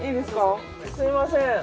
すみません。